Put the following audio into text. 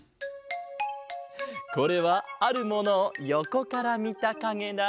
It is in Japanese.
これはあるものをよこからみたかげだ。